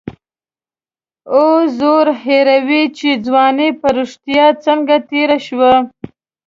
او زوړ هېروي چې ځواني په رښتیا څنګه تېره شوه.